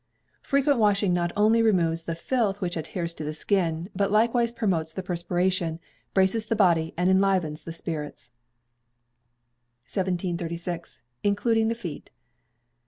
Frequent washing not only removes the filth which adheres to the skin, but likewise promotes the perspiration, braces the body, and enlivens the spirits. 1736. Including the Feet.